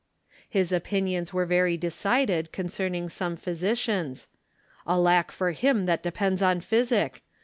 His opinions were very decided concerning some phy sicians :" Alack for him that depends on physic